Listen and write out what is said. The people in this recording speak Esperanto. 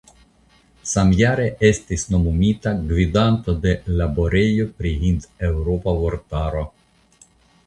Samjare estis nomumita gvidanto de Laborejo pri Hindeŭropa Vortaro.